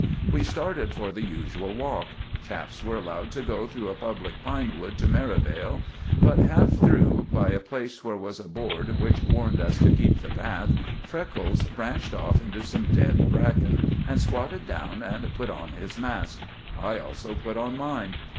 We started for the usual walk. Chaps were allowed to go through a public pine wood to Merivale; but half through, by a place where was a board which warned us to keep the path, Freckles branched off into some dead bracken, and squatted down and put on his mask. I also put on mine.